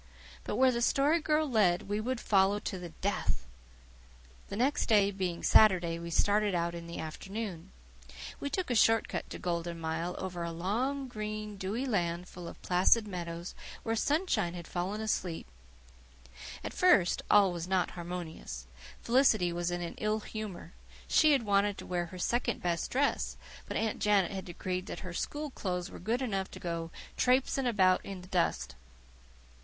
But where the Story Girl led we would follow to the death. The next day being Saturday, we started out in the afternoon. We took a short cut to Golden Milestone, over a long, green, dewy land full of placid meadows, where sunshine had fallen asleep. At first all was not harmonious. Felicity was in an ill humour; she had wanted to wear her second best dress, but Aunt Janet had decreed that her school clothes were good enough to go "traipsing about in the dust."